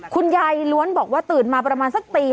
คุณยายล้วนบอกว่าตื่นมาประมาณสักตี๕